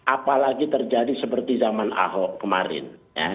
apalagi terjadi seperti zaman ahok kemarin